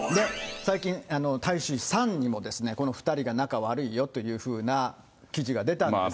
最近、大衆紙、サンにも、この２人が仲悪いよというふうな記事が出たんですが。